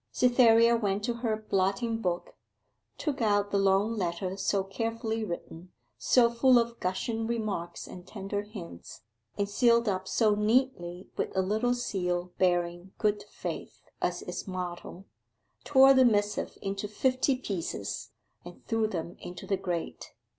Cytherea went to her blotting book, took out the long letter so carefully written, so full of gushing remarks and tender hints, and sealed up so neatly with a little seal bearing 'Good Faith' as its motto, tore the missive into fifty pieces, and threw them into the grate.